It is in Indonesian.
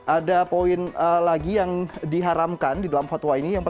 ada poin lagi yang diharamkan di dalam fatwa ini